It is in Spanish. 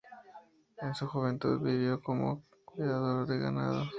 En su juventud vivió como cuidador de ganado.